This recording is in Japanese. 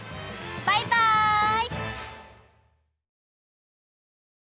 バイバイ！